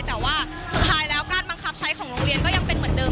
แต่ว่าสุดท้ายแล้วการบังคับใช้ของโรงเรียนก็ยังเป็นเหมือนเดิม